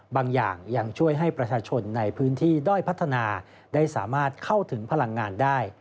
บางอย่างยังช่วยให้ประชาชนในพื้นที่ด้อยพัฒนาได้สามารถเข้าถึงพลังงานได้